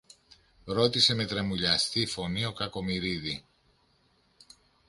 ρώτησε με τρεμουλιαστή φωνή ο Κακομοιρίδη